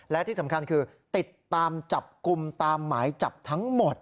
และที่สำคัญคือติดตามจับกลุ่มตามหมายจับทั้งหมด